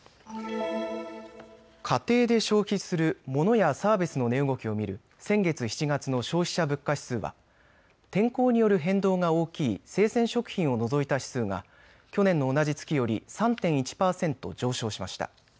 家庭で消費するモノやサービスの値動きを見る先月７月の消費者物価指数は天候による変動が大きい生鮮食品を除いた指数が去年の同じ月より３．１％上昇しました。